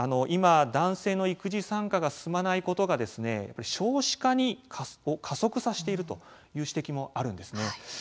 今、男性の育児参加が進まないことが少子化を加速させているという指摘もあるんですね。